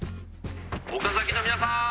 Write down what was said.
岡崎の皆さん